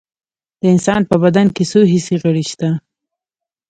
د انسان په بدن کې څو حسي غړي شته